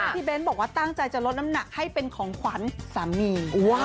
เบ้นบอกว่าตั้งใจจะลดน้ำหนักให้เป็นของขวัญสามี